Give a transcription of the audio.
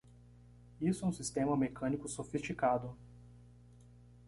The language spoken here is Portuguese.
Isso é um sistema mecânico sofisticado!